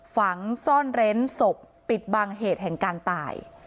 ฝังซ่อนเร้นศพปิดบังเหตุแห่งการตาย